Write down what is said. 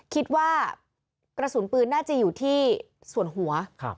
คิดว่ากระสุนปืนน่าจะอยู่ที่ส่วนหัว